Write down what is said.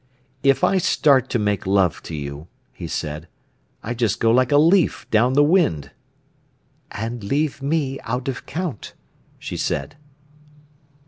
"If I start to make love to you," he said, "I just go like a leaf down the wind." "And leave me out of count," she said.